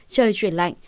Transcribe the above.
trời chuyển lạnh